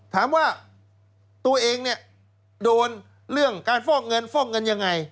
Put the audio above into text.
ถามว่าตัวเองเนี่ยโดนเรื่องการฟอกเงินฟอกเงินยังไง